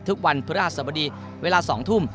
ทุกวันพฤหัสบดีเวลา๒ทุ่ม